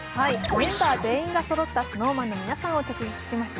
メンバー全員がそろったＳｎｏｗＭａｎの皆さんを直撃しました。